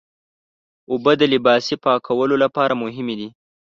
اوبه د لباسي پاکولو لپاره مهمې دي.